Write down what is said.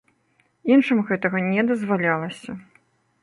Іншым гэтага не дазвалялася.